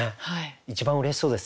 一番うれしそうです